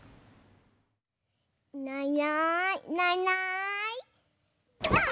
いないいないいないいないばあっ！